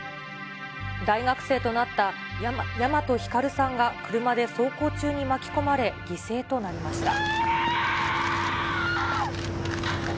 大学生となった大和晃さんが車で走行中に巻き込まれ、犠牲となりました。